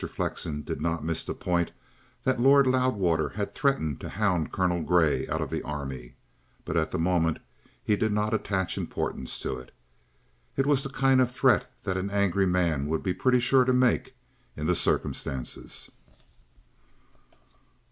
Flexen did not miss the point that Lord Loudwater had threatened to hound Colonel Grey out of the Army; but at the moment he did not attach importance to it. It was the kind of threat that an angry man would be pretty sure to make in the circumstances.